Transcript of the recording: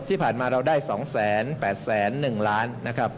ที่ผ่านมาเราได้๒แสน๘แสน๑ล้าน